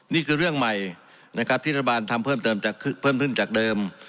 นี่คือเรื่องใหม่นะครับที่รัฐบาลทำเพิ่มเติมเพิ่มขึ้นจากเดิม